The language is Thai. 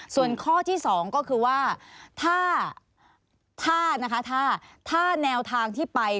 ส่วนข้อที่สองก็คือว่าถ้าแนวทางที่ไป